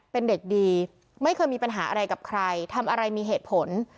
เป็นเด็กดีไม่เคยมีปัญหาอะไรกับใครทำอะไรมีเหตุผล